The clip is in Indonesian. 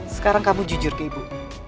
sekarang kamu jujur ke ibu